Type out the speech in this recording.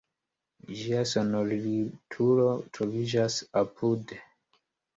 Ĝia sonorilturo troviĝas apude.